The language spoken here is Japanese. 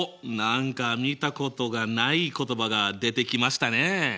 何か見たことがない言葉が出てきましたねえ。